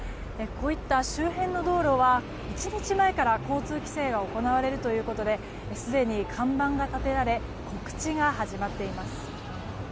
こういった周辺の道路は１日前から交通規制が行われるということですでに看板が立てられ告知が始まっています。